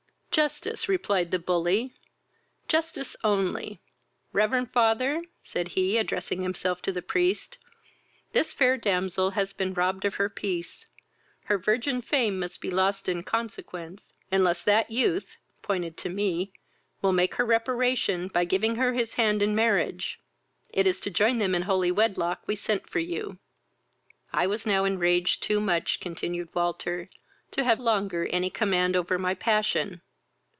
"Justice, (replied the bully; justice only! Reverend father, (said he, addressing himself to the priest,) this fair damsel has been robbed of her peace: her virgin fame must be lost in consequence, unless that youth (pointed to me) will make her reparation, by giving her his hand in marriage. It is to join them in holy wedlock we sent for you." "I was now enraged too much, (continued Walter,) to have longer any command over my passion.